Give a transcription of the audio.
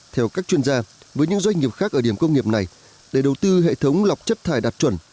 theo các chuyên gia với những doanh nghiệp khác ở điểm công nghiệp này để đầu tư hệ thống lọc chất thải đạt chuẩn